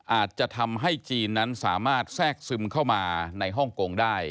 อาจจะทำให้จีนนั้นสามารถแทรกซึมเข้ามาในฮ่องกงได้